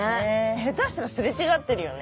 下手したら擦れ違ってるよね。